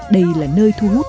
đây là nơi thu hút